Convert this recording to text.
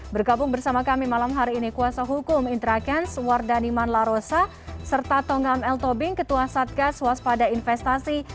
bergabung bersama kami malam hari ini kuasa hukum intra kents wardani manlarosa serta tongam l tobing ketua satgas waspada investasi